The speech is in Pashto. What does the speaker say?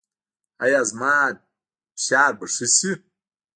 ایا زما فشار به ښه شي؟